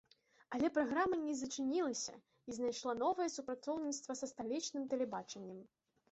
Але праграма не зачынілася і знайшла новае супрацоўніцтва са сталічным тэлебачаннем.